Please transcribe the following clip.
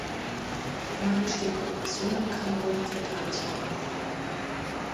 Immerhin steht Korruption in Kamerun auf der Tagesordnung.